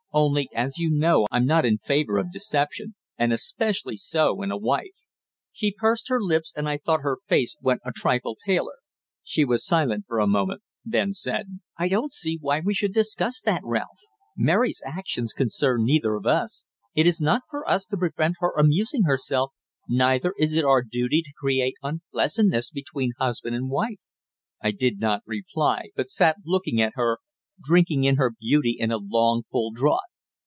"Only, as you know, I'm not in favour of deception, and especially so in a wife." She pursed her lips, and I thought her face went a trifle paler. She was silent for a moment, then said: "I don't see why we should discuss that, Ralph. Mary's actions concern neither of us. It is not for us to prevent her amusing herself, neither is it our duty to create unpleasantness between husband and wife." I did not reply, but sat looking at her, drinking in her beauty in a long, full draught.